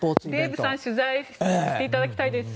デーブさん取材していただきたいです。